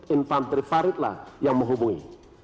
infantri farid lah yang menghubungi